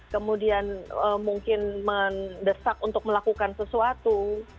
kemudian mungkin mendesak untuk melakukan sesuatu